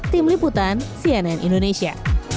tim liputan cnn indonesia